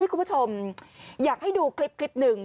คุณผู้ชมอยากให้ดูคลิปหนึ่ง